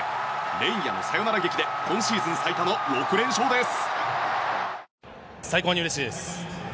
連夜のサヨナラ劇で今シーズン最多の６連勝です。